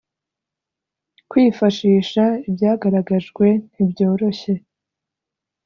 kwifashisha ibyagaragajwe ntibyoroshye.